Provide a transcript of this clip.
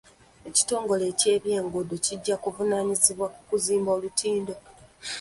Ekitongole ky'ebyenguudo kijja kuvunaanyizibwa ku kuzimba olutindo.